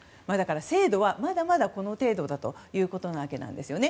精度はまだまだこの程度だというわけなんですね。